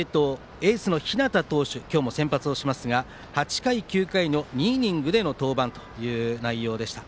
エースの日當投手は今日も先発をしますが８回、９回の２イニングでの登板という内容でした。